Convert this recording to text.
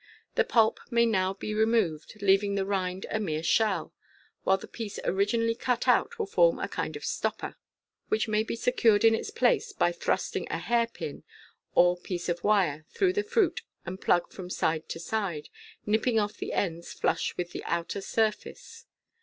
The pulp may now be removed, leaving the rind a mere shell, while the piece originally cut out will form a kind of stopper, which may be secured in its place by thrusting a hair pin or piece of wire through the fruit and plug from side to side, and nipping off the ends flush with the outer sur face.